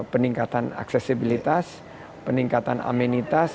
peningkatan aksesibilitas peningkatan amenitas